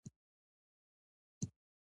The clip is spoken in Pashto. د جوماتونو چړیان او طالبان ملایان هم خوندي وو.